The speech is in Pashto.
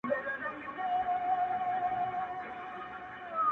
له مانه هېره نه يې ماته رايادېـږې هــر وخــت.